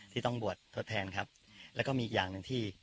ที่ต้องบวชทดแทนครับแล้วก็มีอีกอย่างหนึ่งที่